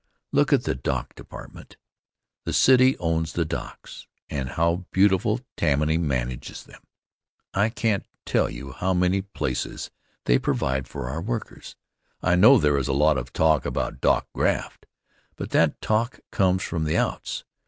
Look at the Dock Department! The city owns the docks, and how beautiful Tammany manages them! I can't tell you how many places they provide for our workers. I know there is a lot of talk about dock graft, but that talk comes from the outs.